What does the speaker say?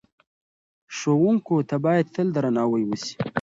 ښوونکو ته باید تل درناوی وسي.